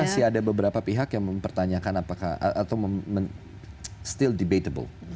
masih ada beberapa pihak yang mempertanyakan apakah atau still debatable